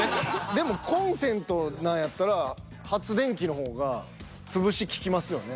でもコンセントなんやったら発電機の方が潰しききますよね。